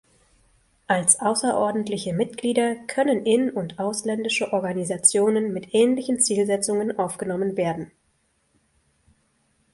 Als außerordentliche Mitglieder können in- und ausländische Organisationen mit ähnlichen Zielsetzungen aufgenommen werden.